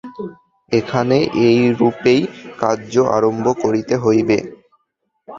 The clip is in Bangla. এখানে এইরূপেই কার্য আরম্ভ করিতে হইবে।